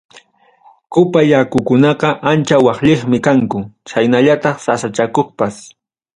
Qupa yakukunaqa ancha waqlliqmi kanku chaynallataq sasachakuqpas.